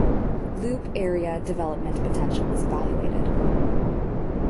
Loop area development potential was evaluated.